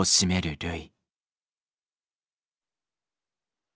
るい。